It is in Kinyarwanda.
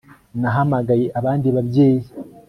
Nahamagaye abandi babyeyi